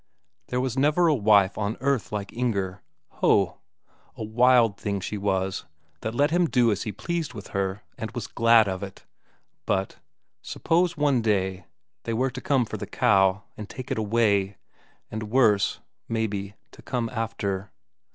There was never a wife on earth like Inger. Ho! a wild thing she was, that let him do as he pleased with her, and was glad of it. But suppose one day they were to come for the cow, and take it away and worse, maybe, to come after?